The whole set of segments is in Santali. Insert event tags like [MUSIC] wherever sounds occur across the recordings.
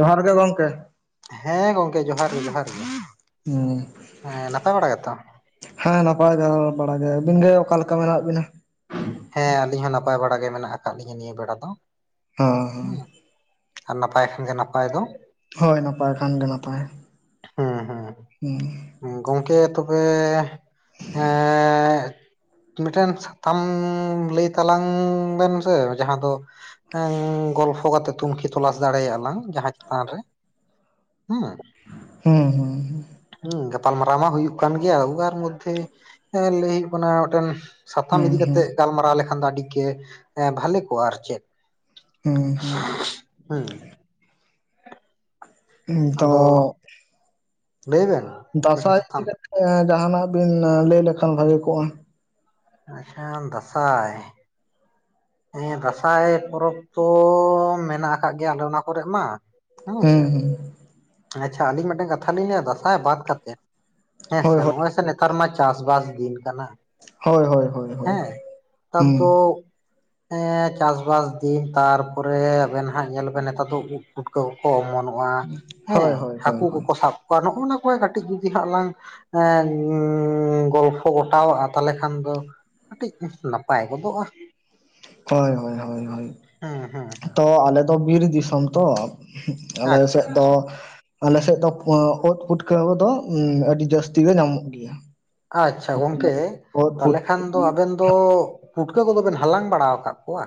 ᱡᱚᱦᱟᱨ ᱜᱮ ᱜᱚᱝᱠᱮ ᱦᱮᱸ ᱜᱚᱝᱠᱮ ᱡᱚᱦᱟᱨ ᱜᱮ ᱡᱚᱦᱟᱨ ᱜᱮ ᱦᱩᱸ ᱦᱮᱸ ᱱᱟᱯᱟᱭ ᱵᱟᱲᱟ ᱜᱮᱛᱚ ᱦᱮᱸ ᱱᱟᱯᱟᱭ ᱫᱷᱟᱨᱟ ᱵᱟᱲᱟᱜᱮ ᱟᱹᱵᱤᱱ ᱜᱮ ᱚᱠᱟ ᱞᱮᱠᱟ ᱢᱮᱱᱟᱜ ᱵᱤᱱᱟ? ᱦᱮᱸ ᱟᱹᱞᱤᱧ ᱦᱚᱸ ᱱᱟᱯᱟᱭ ᱵᱟᱲᱟ ᱜᱮ ᱢᱮᱱᱟᱜ ᱠᱟᱜ ᱞᱤᱧᱟᱹ ᱱᱤᱭᱟᱹ ᱵᱮᱲᱟ ᱫᱚ ᱦᱮᱸ ᱦᱮᱸ ᱦᱩᱸ ᱟᱨ ᱱᱟᱯᱟᱭ ᱠᱷᱟᱱᱜᱮ ᱱᱟᱯᱟᱭ ᱫᱚ ᱦᱳᱭ ᱱᱟᱯᱟᱭ ᱠᱷᱟᱱ ᱜᱮ ᱱᱟᱯᱟᱭ ᱦᱩᱸ ᱦᱩᱸ ᱦᱩᱸ ᱜᱚᱝᱠᱮ ᱛᱚᱵᱮ ᱮᱻᱜ ᱢᱤᱫᱴᱮᱱ ᱥᱟᱛᱟᱢ ᱞᱟᱹᱭ ᱛᱟᱞᱟᱝ ᱵᱮᱱ ᱥᱮ ᱡᱟᱦᱟᱸ ᱫᱚ ᱜᱚᱞᱯᱷᱚ ᱠᱟᱛᱮᱜ ᱛᱩᱱᱠᱷᱤ ᱛᱚᱞᱟᱥ ᱫᱟᱲᱮ ᱭᱟᱜᱼᱟ ᱞᱟᱝ ᱡᱟᱦᱟᱸ ᱪᱮᱛᱟᱱ ᱨᱮ ᱦᱮᱸ ᱦᱩᱸ ᱦᱩᱸ ᱦᱩᱸ ᱦᱩᱸ ᱜᱟᱯᱟᱞ ᱢᱟᱨᱟᱨᱟᱣ ᱢᱟ ᱦᱩᱭᱩᱜ ᱠᱟᱱ ᱜᱮᱭᱟ ᱩᱣᱟᱨ ᱢᱚᱫᱽᱫᱷᱮ ᱦᱮᱸ ᱞᱟᱹᱭ ᱦᱩᱭᱩᱜ ᱠᱟᱱᱟ ᱢᱤᱫᱴᱮᱱ ᱥᱟᱛᱟᱢ ᱦᱩᱸ ᱤᱫᱤ ᱦᱩᱸ ᱠᱟᱛᱮᱜ ᱜᱟᱞᱢᱟᱨᱟᱣ ᱞᱮᱠᱷᱟᱱ ᱫᱚ ᱟᱹᱰᱤ ᱜᱮ ᱵᱷᱟᱞᱮ ᱠᱚᱜᱼᱟ ᱟᱨ ᱪᱮᱫ ᱦᱩᱸ ᱦᱩᱸ ᱦᱮᱸ ᱦᱩᱸ ᱛᱚ ᱟᱫᱚ ᱞᱟᱹᱭ ᱵᱮᱱ ᱢᱤᱫᱴᱮᱱ ᱫᱟᱥᱟᱭ ᱥᱟᱛᱟᱢ ᱤᱫᱤ ᱠᱟᱛᱮᱜ ᱡᱟᱦᱟᱸᱱᱟᱜ ᱵᱤᱱ ᱞᱟᱹᱭ ᱞᱮᱠᱷᱟᱱ ᱵᱷᱟᱜᱮ ᱠᱚᱜᱼᱟ ᱦᱮᱸ ᱫᱟᱥᱟᱭ ᱦᱮᱸ ᱫᱟᱸᱥᱟᱭ ᱯᱚᱨᱚᱵᱽ ᱛᱚ ᱢᱮᱱᱟᱜ ᱟᱠᱟᱫ ᱜᱮᱭᱟ ᱟᱞᱮ ᱚᱱᱟ ᱠᱚᱨᱮᱦᱚᱸ ᱢᱟ ᱦᱮᱸ ᱦᱮᱸ ᱟᱪᱪᱷᱟ ᱟᱹᱞᱤᱧ ᱢᱤᱫᱴᱮᱱ ᱠᱟᱛᱷᱟ ᱞᱤᱧ ᱞᱟᱹᱭᱼᱟ ᱫᱟᱥᱟᱭ ᱵᱟᱛ ᱠᱟᱛᱮ ᱦᱳᱭ ᱦᱮᱸᱥᱮ ᱦᱳᱭ ᱱᱚᱜᱚᱭ ᱥᱮ ᱱᱮᱛᱟᱨ ᱢᱟ ᱪᱟᱥᱵᱟᱥ ᱫᱤᱱ ᱠᱟᱱᱟ ᱦᱳᱭ ᱦᱳᱭ ᱦᱳᱭ ᱦᱳᱭ ᱦᱮᱸ ᱦᱩᱸ ᱟᱫᱚ ᱦᱮᱸ ᱪᱟᱥᱵᱟᱥ ᱫᱤᱱ ᱛᱟᱨᱯᱚᱨᱮ ᱟᱵᱮᱱ ᱦᱱᱟᱜ ᱧᱮᱞ ᱵᱮᱱ ᱱᱮᱛᱟᱨ ᱫᱚ ᱩᱵ ᱯᱩᱴᱠᱟᱹ ᱠᱚᱠᱚ ᱚᱢᱚᱱᱚᱜᱼᱟ ᱦᱳᱭ ᱦᱮᱸ ᱦᱳᱭ ᱦᱳᱭ ᱦᱟᱹᱠᱩ ᱦᱳᱭ ᱠᱚᱠᱚ ᱥᱟᱵ ᱠᱚᱣᱟ ᱱᱚᱜᱼᱚ ᱱᱟ ᱠᱚ ᱠᱟᱹᱴᱤᱡ ᱡᱩᱫᱤ ᱦᱟᱸᱜ ᱞᱟᱝ ᱮ ᱜᱚᱞᱯᱷᱚ ᱜᱚᱴᱟᱣᱼᱟ ᱛᱟᱦᱞᱮ ᱠᱷᱟᱱ ᱫᱚ ᱠᱟᱹᱴᱤᱡ ᱱᱟᱯᱟᱭ ᱜᱚᱫᱚᱜᱼᱟ ᱦᱳᱭ ᱦᱳᱭ ᱦᱳᱭ ᱦᱳᱭ ᱦᱮᱸ ᱦᱮᱸ ᱦᱮᱸ ᱛᱚ ᱟᱞᱮᱫᱚ ᱵᱤᱨ ᱫᱤᱥᱚᱢ ᱛᱚ ᱟᱞᱮ ᱟᱪᱪᱷᱟ ᱥᱮᱫ ᱫᱚ ᱟᱪᱪᱷᱟ ᱟᱞᱮᱥᱮᱜ ᱫᱚ ᱯᱷᱟᱹ ᱤᱝ, ᱯᱩᱴᱠᱟᱹᱣ ᱠᱚ ᱫᱚ ᱟᱹᱰᱤ ᱡᱟᱹᱥᱛᱤ ᱜᱮ ᱧᱟᱢᱚᱜ ᱜᱮᱭᱟ ᱟᱪᱪᱷᱟ ᱜᱚᱝᱠᱮ ᱚᱛ ᱯᱩᱴ ᱛᱟᱞᱦᱮ ᱠᱷᱟᱱ ᱫᱚ ᱟᱵᱮᱱ ᱛᱚ ᱯᱩᱴᱠᱟᱹ ᱠᱚᱫᱚ ᱵᱮᱱ ᱦᱟᱞᱟᱝ ᱵᱟᱲᱟᱣ ᱠᱟᱫ ᱠᱚᱣᱟ?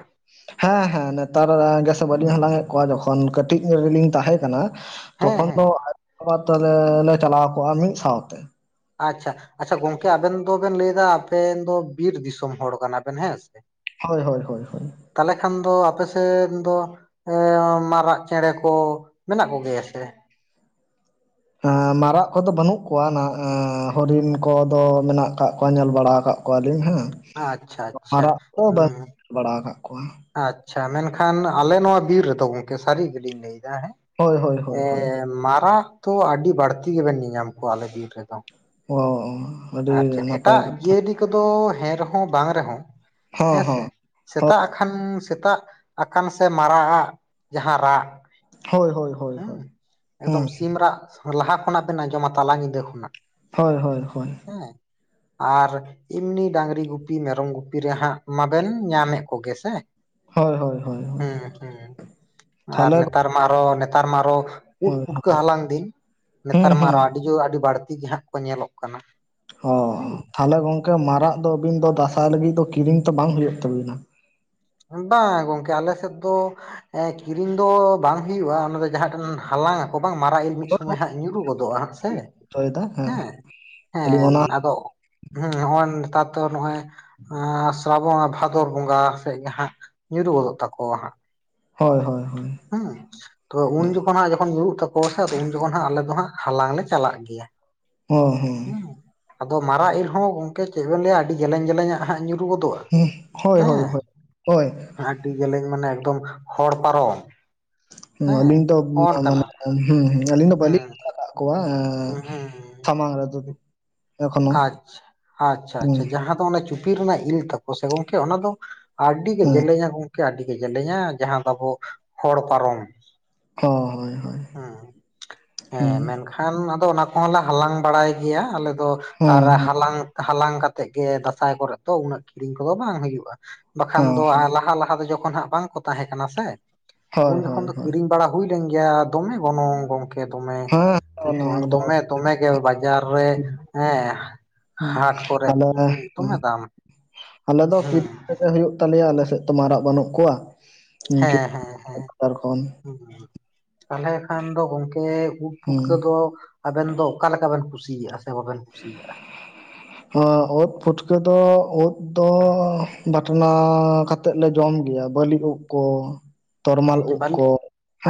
ᱦᱮᱸᱻ ᱦᱮᱸᱻ ᱱᱮᱛᱟᱨ ᱜᱮᱥᱮ ᱵᱟᱹᱞᱤᱧ ᱦᱟᱞᱟᱝ ᱮᱫ ᱠᱚᱣᱟ ᱡᱚᱠᱷᱚᱱ ᱠᱟᱹᱴᱤᱡ ᱨᱮᱞᱤᱧ ᱛᱟᱦᱮᱸ ᱠᱟᱱᱟ ᱦᱮᱸ ᱛᱚᱠᱠᱷᱚᱱ ᱫᱚ ᱦᱮᱸ [INAUDIBLE] ᱛᱮᱞᱮ ᱞᱮ ᱪᱟᱞᱟᱣ ᱠᱚᱜᱼᱟ ᱢᱤᱫ ᱥᱟᱶᱛᱮ ᱟᱪᱪᱷᱟ ᱟᱪᱪᱷᱟ ᱜᱚᱝᱠᱮ ᱟᱵᱮᱱ ᱫᱚᱵᱮᱱ ᱞᱟᱹᱭ ᱮᱫᱟ ᱟᱵᱮᱱ ᱫᱚ ᱵᱤᱨ ᱫᱤᱥᱚᱢ ᱦᱚᱲ ᱠᱟᱱᱟ ᱵᱮᱱ ᱦᱮᱸ ᱥᱮ ᱦᱳᱭ ᱦᱳᱭ ᱦᱳᱭ ᱦᱳᱭ ᱛᱟᱞᱮ ᱠᱷᱟᱱ ᱫᱚ ᱟᱯᱮᱥᱮᱱ ᱫᱚ ᱮᱸᱻ ᱢᱟᱨᱟᱜ ᱪᱮᱬᱮ ᱠᱚ ᱢᱮᱱᱟᱜ ᱠᱚᱜᱮᱭᱟ ᱥᱮ? ᱢᱟᱨᱟᱜ ᱠᱚᱫᱚ ᱵᱟᱹᱱᱩᱜ ᱠᱚᱣᱟ ᱱᱟ ᱦᱚᱨᱤᱱ ᱠᱚᱫᱚ ᱢᱮᱱᱟᱜ ᱟᱠᱟᱫ ᱠᱚᱣᱟ ᱧᱮᱞ ᱵᱟᱲᱟ ᱟᱠᱟᱫ ᱠᱚᱣᱟ ᱠᱚᱣᱟᱞᱤᱧ ᱦᱮᱸ ᱟᱪᱪᱷᱟ ᱟᱪᱪᱷᱟ ᱢᱟᱨᱟᱜ ᱫᱚ ᱵᱟᱹᱧ ᱦᱩᱸ ᱵᱟᱲᱟ ᱠᱟᱜ ᱠᱚᱣᱟ ᱟᱪᱪᱷᱟ ᱢᱮᱱᱠᱷᱟᱱ ᱟᱞᱮ ᱱᱚᱣᱟ ᱵᱤᱨ ᱨᱮ ᱫᱚ ᱜᱚᱝᱠᱮ ᱥᱟᱹᱨᱤ ᱜᱮᱞᱤᱧ ᱞᱟᱹᱭ ᱫᱟ ᱦᱮᱸ ᱦᱳᱭ ᱦᱳᱭ ᱦᱳᱭ ᱮᱻ ᱦᱳᱭ ᱢᱟᱨᱟᱜ ᱛᱚ ᱟᱹᱰᱤ ᱵᱟᱹᱲᱛᱤ ᱜᱮᱵᱮᱱ ᱧᱮᱧᱟᱢ ᱠᱚᱣᱟ ᱟᱞᱮ ᱵᱤᱨ ᱨᱮ ᱫᱚ ᱚᱻ ᱟᱹᱰᱤ ᱱᱟᱯᱟᱭ ᱠᱟᱛᱷᱟ ᱱᱤᱛᱚᱜ ᱫᱚ ᱦᱮᱸ ᱨᱮ ᱦᱚᱸ ᱵᱟᱝ ᱨᱮ ᱦᱚᱸ ᱦᱮᱸ ᱦᱮᱸᱻ ᱥᱮ ᱦᱮᱸ ᱥᱮᱛᱟᱜ ᱠᱷᱟᱱ ᱥᱮᱛᱟᱜ ᱟᱠᱟᱱ ᱥᱮ ᱢᱟᱨᱟᱜ ᱟᱜ ᱡᱟᱦᱟᱸ ᱨᱟᱜ ᱦᱳᱭ ᱦᱳᱭ ᱦᱳᱭ ᱦᱩᱸᱻ ᱦᱳᱭ ᱦᱩᱸ ᱮᱠᱫᱚᱢ ᱥᱤᱢ ᱨᱟᱜ ᱞᱟᱦᱟ ᱠᱷᱚᱱᱟᱜ ᱵᱮᱱ ᱟᱸᱡᱚᱢᱟ ᱛᱟᱞᱟ ᱧᱤᱫᱟᱹ ᱠᱷᱚᱱᱟᱜ ᱦᱳᱭ ᱦᱳᱭ ᱦᱳᱭ ᱦᱮᱸᱻ ᱟᱨ ᱮᱢᱱᱤ ᱰᱟᱝᱨᱤ ᱜᱩᱯᱤ ᱢᱮᱨᱚᱢ ᱜᱩᱯᱤ ᱨᱮ ᱦᱟᱸᱜ ᱢᱟᱵᱮᱱ ᱧᱟᱢᱮᱫ ᱠᱚᱜᱮ ᱥᱮ ᱦᱳᱭ ᱦᱳᱭ ᱦᱳᱭ ᱦᱮᱸ ᱦᱩᱸ ᱦᱩᱸ ᱟᱨ ᱛᱟᱦᱚᱞᱮ ᱦᱳᱭ ᱱᱮᱛᱟᱨ ᱱᱮᱛᱟᱨ ᱢᱟ ᱟᱨᱚ ᱱᱮᱛᱟᱨ ᱢᱟ ᱟᱨᱚ ᱩᱫ ᱦᱳᱭ ᱯᱩᱴᱠᱟᱹ ᱦᱟᱞᱟᱝ ᱫᱤᱱ ᱦᱩᱸ ᱱᱮᱛᱟᱨ ᱢᱟ ᱦᱩᱸ ᱟᱨᱚ ᱟᱹᱰᱤ ᱡᱳᱨ ᱟᱹᱰᱤ ᱵᱟᱹᱲᱛᱤ ᱜᱮ ᱦᱟᱸᱜ ᱠᱚ ᱧᱮᱞᱚᱜ ᱠᱟᱱᱟ᱾ ᱦᱚ ᱦᱩᱸ ᱛᱟᱦᱚᱞᱮ ᱜᱚᱝᱠᱮ ᱢᱟᱨᱟᱜ ᱫᱚ ᱟᱵᱤᱱ ᱫᱚ ᱫᱟᱸᱥᱟᱭ ᱞᱟᱹᱜᱤᱫ ᱫᱚ ᱠᱤᱨᱤᱧ ᱛᱚ ᱵᱟᱝ ᱦᱩᱭᱩᱜ ᱛᱟᱵᱤᱱᱟ᱾ ᱵᱟᱝ ᱜᱚᱝᱠᱮ ᱟᱞᱮ ᱥᱮᱫ ᱫᱚ ᱠᱤᱨᱤᱧ ᱫᱚ ᱵᱟᱝ ᱦᱩᱭᱩᱜᱼᱟ ᱚᱱᱟ ᱫᱚ ᱡᱟᱦᱟᱸ ᱴᱷᱮᱱ ᱦᱟᱞᱟᱝ ᱟᱠᱚ ᱵᱟᱝ ᱢᱟᱨᱟᱜ ᱤᱞ ᱢᱤᱫ ᱥᱚᱢᱚᱭ ᱦᱟᱸᱜ ᱧᱩᱨᱩᱜ ᱜᱚᱫᱚᱜᱼᱟ ᱥᱮ ᱦᱮᱸ ᱟᱹᱞᱤᱧ ᱦᱮᱸ ᱚᱱᱟ ᱟᱫᱚ ᱦᱮᱸ ᱱᱚᱜᱼᱚᱭ ᱱᱮᱛᱟᱨ ᱫᱚ ᱱᱚᱜᱼᱚᱭ ᱥᱨᱟᱵᱚᱱ ᱟᱨ ᱵᱷᱟᱫᱚᱨ ᱵᱚᱸᱜᱟ ᱛᱮᱜᱮ ᱦᱟᱸᱜ ᱧᱩᱨᱩᱜ ᱜᱚᱫᱚᱜ ᱛᱟᱠᱚᱣᱟ ᱦᱟᱸᱜ ᱦᱳᱭ ᱦᱳᱭ ᱦᱳᱭ ᱦᱩᱸ ᱛᱚ ᱩᱱ ᱦᱚᱸ ᱡᱚᱠᱷᱚᱱ ᱦᱟᱸᱜ ᱡᱚᱠᱷᱚᱱ ᱧᱩᱨᱩᱜ ᱛᱟᱠᱚᱣᱟ ᱥᱮ ᱩᱱ ᱡᱚᱠᱷᱚᱱ ᱦᱟᱜ ᱟᱞᱮ ᱫᱚ ᱦᱟᱸᱜ ᱦᱟᱞᱟᱝ ᱞᱮ ᱪᱟᱞᱟᱜ ᱜᱮᱭᱟ ᱚ ᱦᱚ ᱟᱫᱚ ᱢᱟᱨᱟᱜ ᱤᱞ ᱦᱚᱸ ᱜᱚᱝᱠᱮ ᱪᱮᱫ ᱵᱮᱱ ᱞᱟᱹᱭᱟ ᱟᱹᱰᱤ ᱡᱮᱞᱮᱧ ᱡᱮᱞᱮᱧᱟᱜ ᱦᱟᱸᱜ ᱧᱩᱨᱩ ᱜᱚᱫᱚᱜᱼᱟ ᱦᱳᱭ ᱦᱳᱭ ᱦᱮᱸ ᱦᱳᱭ ᱦᱳᱭ ᱟᱹᱰᱤ ᱡᱮᱞᱮᱧ ᱢᱟᱱᱮ ᱮᱠᱫᱚᱢ ᱦᱚᱲ ᱯᱟᱨᱚᱢ ᱦᱩ ᱦᱮᱸ ᱟᱹᱞᱤᱧ ᱛᱚ ᱱᱚᱜᱼᱚ ᱱᱚᱝᱠᱟᱱᱟᱜ ᱢᱟᱱᱮ ᱦᱩᱸ ᱦᱮᱸ ᱟᱹᱞᱤᱧ ᱫᱚ ᱵᱟᱹᱞᱤᱧ ᱦᱮᱸ ᱧᱮᱞ ᱟᱠᱟᱜ ᱠᱚᱣᱟ ᱦᱮᱸ ᱥᱟᱢᱟᱝ ᱨᱮᱫᱚ ᱮᱠᱷᱚᱱᱳ ᱟᱪᱪᱷᱟ ᱟᱪᱪᱷᱟ ᱦᱩᱸ ᱟᱪᱪᱷᱟ ᱡᱟᱦᱟᱸ ᱚᱱᱟ ᱪᱩᱯᱤ ᱨᱮᱱᱟᱜ ᱤᱞ ᱛᱟᱠᱚ ᱥᱮ ᱜᱚᱝᱠᱮ ᱚᱱᱟ ᱫᱚ ᱟᱹᱰᱤ ᱜᱮ ᱦᱩᱸ ᱡᱮᱞᱮᱧᱟ ᱜᱚᱝᱠᱮ ᱟᱹᱰᱤ ᱜᱮ ᱡᱮᱞᱮᱧᱟ ᱡᱟᱦᱟᱸ ᱫᱚ ᱟᱵᱚ ᱦᱚᱲ ᱯᱟᱨᱚᱢ ᱦᱳᱭ ᱦᱳᱭ ᱦᱩᱸ ᱦᱩᱸ ᱦᱮᱸ ᱢᱮᱱᱠᱷᱟᱱ ᱟᱫᱚ ᱚᱱᱟ ᱠᱚᱦᱚᱸ ᱞᱮ ᱦᱟᱞᱟᱝ ᱵᱟᱲᱟᱭ ᱜᱮᱭᱟ ᱟᱞᱮ ᱫᱚ ᱦᱩᱸ ᱟᱨ ᱦᱩᱸ ᱦᱟᱞᱟᱝ ᱦᱟᱞᱟᱝ ᱠᱟᱛᱮᱫ ᱜᱮ ᱫᱟᱸᱥᱟᱭ ᱠᱚᱨᱮ ᱫᱚ ᱩᱱᱟᱹᱜ ᱠᱤᱨᱤᱧ ᱠᱚᱫᱚ ᱵᱟᱝ ᱦᱩᱭᱩᱜᱼᱟ ᱵᱟᱠᱷᱟᱱ ᱦᱚᱸ ᱫᱚ ᱦᱚᱸ ᱞᱟᱦᱟ ᱞᱟᱦᱟ ᱫᱚ ᱡᱚᱠᱷᱚᱱ ᱵᱟᱝ ᱠᱚ ᱛᱟᱦᱮᱸ ᱠᱟᱱᱟ ᱥᱮ ᱦᱳᱭ ᱩᱱ ᱦᱳᱭ ᱡᱚᱠᱷᱚᱱ ᱫᱚ ᱦᱳᱭ ᱠᱤᱨᱤᱧ ᱵᱟᱲᱟ ᱦᱩᱭ ᱞᱮᱱ ᱜᱮᱭᱟ ᱫᱚᱢᱮ ᱜᱚᱱᱚᱝ ᱜᱚᱝᱠᱮ ᱜᱮ ᱫᱚᱢᱮ ᱦᱮᱸ ᱚᱱᱟ ᱫᱚ ᱫᱚᱢᱮ ᱫᱚᱢᱮ ᱜᱮ ᱵᱟᱡᱟᱨ ᱨᱮ ᱦᱮᱸ ᱦᱟᱴ ᱠᱚᱨᱮ ᱟᱞᱮ ᱫᱚᱢᱮ ᱫᱟᱢ ᱟᱞᱮ ᱫᱚ ᱦᱩᱸ [UNINTELLIGIBLE] ᱦᱩᱭᱩᱜ ᱛᱟᱞᱮᱭᱟ ᱟᱞᱮ ᱥᱮᱫ ᱛᱚ ᱢᱟᱨᱟᱜ ᱵᱟᱹᱱᱩᱜ ᱠᱚᱣᱟ᱾ ᱦᱮᱸ ᱦᱮᱸ ᱦᱮᱸ ᱵᱟᱡᱟᱨ ᱠᱷᱚᱱ ᱛᱟᱦᱚᱞᱮ ᱠᱷᱟᱱ ᱫᱚ ᱜᱚᱝᱠᱮ ᱩᱫᱽ ᱦᱩᱸ ᱯᱩᱴᱠᱟᱹ ᱫᱚ ᱟᱵᱮᱱ ᱫᱚ ᱚᱠᱟᱞᱮᱠᱟ ᱵᱮᱱ ᱠᱩᱥᱤᱭᱟᱜᱼᱟ, ᱥᱮ ᱵᱟᱵᱮᱱ ᱠᱩᱥᱤᱭᱟᱜᱼᱟ? ᱚᱛ ᱯᱷᱩᱴᱠᱟᱹ ᱫᱚ ᱳᱫᱽ, ᱫᱚ ᱵᱟᱴᱱᱟ ᱠᱟᱛᱮᱫ ᱞᱮ ᱡᱚᱢ ᱜᱮᱭᱟ ᱵᱟᱹᱞᱤ ᱩᱫ ᱠᱚ᱾ ᱛᱚᱨᱢᱟᱞ ᱦᱩᱸ ᱩᱫ ᱵᱟᱹᱞᱤ ᱠᱚ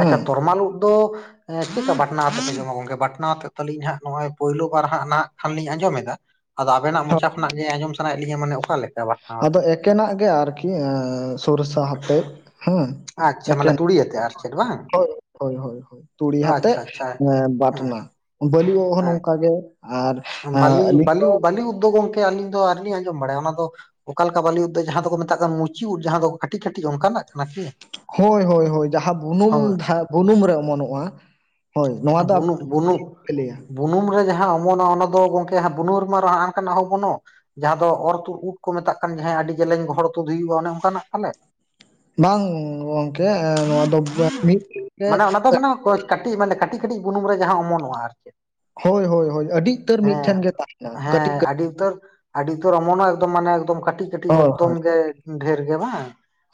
ᱟᱪᱪᱷᱟ ᱛᱚᱨᱢᱟᱞ ᱩᱫᱽ ᱫᱚ, ᱪᱮᱫᱠᱟ ᱵᱟᱴᱱᱟ ᱟᱛᱮ ᱯᱮ ᱡᱚᱢᱟ ᱜᱚᱝᱠᱮ ᱵᱟᱴᱱᱟ ᱟᱛᱮᱫᱞᱤᱧ ᱱᱚᱜᱼᱚᱭ ᱯᱳᱭᱞᱳ ᱵᱟᱨ ᱦᱟᱸᱜ ᱱᱟᱦᱟᱜ ᱠᱷᱟᱱ ᱞᱤᱧ ᱟᱸᱡᱚᱢᱮᱫᱟ᱾ ᱟᱫᱚ ᱟᱵᱮᱱᱟᱜ ᱢᱚᱪᱟ ᱠᱷᱱᱟᱜ ᱜᱮ ᱟᱸᱡᱚᱢ ᱥᱟᱱᱟᱭᱮᱫ ᱞᱤᱧᱟᱹ ᱢᱟᱱᱮ ᱚᱠᱟ ᱞᱮᱠᱟ ᱵᱟᱝ? ᱟᱫᱚ ᱮᱠᱮᱱᱟᱜ ᱜᱮ ᱟᱨᱠᱤ ᱥᱚᱨᱥᱟ ᱦᱟᱛᱮᱫ ᱦᱮᱸ᱾ ᱟᱪᱪᱷᱟ ᱢᱟᱱᱮ ᱮᱠᱮᱱ ᱛᱩᱲᱤ ᱟᱛᱮ ᱟᱨ ᱪᱮᱫ ᱵᱟᱝ ᱦᱳᱭ ᱦᱳᱭ ᱛᱩᱲᱤ ᱦᱟᱛᱮ ᱟᱪᱪᱷᱟ ᱟᱪᱪᱷᱟ ᱵᱟᱴᱱᱟ᱾ ᱵᱟᱹᱞᱤ ᱳᱜ ᱦᱚᱸ ᱦᱮᱸ ᱱᱚᱝᱠᱟ ᱜᱮ ᱟᱨ ᱵᱟᱹᱞᱤ ᱟᱹᱞᱤᱧ ᱵᱟᱹᱞᱤ ᱫᱚ ᱵᱟᱹᱞᱤ ᱩᱫᱽ ᱫᱳ ᱜᱚᱢᱠᱮ ᱟᱹᱞᱤᱧ ᱫᱚ ᱟᱨᱞᱤᱧ ᱟᱸᱡᱚᱢ ᱵᱟᱲᱟᱭᱟ ᱚᱱᱟ ᱫᱚ ᱚᱠᱟ ᱞᱮᱠᱟ ᱵᱟᱹᱞᱤ ᱩᱫᱽᱫ ᱡᱟᱦᱟᱸ ᱫᱚᱠᱚ ᱢᱮᱛᱟᱜ ᱠᱟᱱ ᱢᱩᱪᱤ ᱩᱫ ᱡᱟᱦᱟᱸ ᱫᱚ ᱠᱟᱹᱴᱤᱡ ᱠᱟᱹᱴᱤᱡ ᱚᱱᱠᱟᱱᱟᱜ ᱠᱟᱱᱟ ᱠᱤ? ᱦᱳᱭ ᱦᱳᱭ ᱦᱳᱭ ᱡᱟᱦᱟᱸ ᱦᱳᱭ ᱵᱩᱱᱩᱢ ᱪᱷᱟ ᱵᱩᱱᱩᱢ ᱨᱮ ᱚᱢᱚᱱᱚᱜᱼᱟ ᱦᱳᱭ ᱱᱚᱣᱟ ᱫᱚ᱾ ᱵᱩᱱᱩᱢ ᱵᱩᱱᱩᱢ ᱯᱮᱞᱮᱭᱟ ᱵᱩᱱᱩᱢ ᱨᱮ ᱡᱟᱦᱟᱸ ᱚᱢᱚᱱᱟ ᱚᱱᱟ ᱫᱚ ᱜᱚᱝᱠᱮ ᱦᱟᱸ ᱵᱩᱱᱩ ᱨᱮᱢᱟ ᱦᱟᱱᱠᱟᱱᱟᱜ ᱦᱚᱸ ᱚᱢᱚᱱᱚᱜ᱾ ᱡᱟᱦᱟᱸ ᱫᱚ ᱚᱨ ᱛᱩᱨ ᱩᱫ ᱠᱚ ᱢᱮᱛᱟᱜ ᱠᱟᱱ ᱡ ᱟᱹᱰᱤ ᱡᱮᱞᱮᱧ ᱜᱚᱦᱚᱲ ᱛᱩᱫ ᱦᱩᱭᱩᱜᱼᱟ ᱚᱱᱮ ᱚᱱᱠᱟᱱᱟᱜ ᱯᱟᱞᱮ? ᱵᱟᱝ ᱜᱚᱝᱠᱮ ᱱᱚᱣᱟ ᱫᱚ ᱢᱟᱱᱮ ᱚᱱᱟ ᱫᱚ [UNINTELLIGIBLE] ᱢᱟᱱᱮ ᱠᱟᱹᱴᱤᱡ ᱢᱟᱱᱮ ᱠᱟᱹᱴᱤᱡ ᱠᱟᱹᱴᱤᱡ ᱵᱩᱱᱩᱢ ᱨᱮ ᱡᱟᱦᱟᱸ ᱚᱢᱚᱱᱚᱜᱼᱟ ᱟᱨᱠᱤ᱾ ᱦᱳᱭ ᱦᱳᱭ ᱦᱳᱭ ᱟᱹᱰᱤ ᱩᱛᱟᱹᱨ ᱢᱤᱫᱴᱷᱮᱱ ᱜᱮ ᱛᱟᱦᱮᱱᱟ ᱠᱟᱹᱴᱤᱡ ᱦᱮᱸ ᱠᱟᱹᱴᱤᱡ᱾ ᱟᱹᱰᱤ ᱩᱛᱟᱹᱨ ᱟᱹᱰᱤ ᱩᱛᱟᱹᱨ ᱚᱢᱚᱱᱚᱜ ᱮᱠᱫᱚᱢ ᱢᱟᱱᱮ ᱠᱟᱹᱴᱤᱡ ᱠᱟᱹᱴᱤᱡ ᱦᱳᱭ ᱮᱠᱫᱚᱢ ᱦᱳᱭ ᱜᱮ ᱰᱷᱮᱨ ᱜᱮ ᱵᱟᱝ?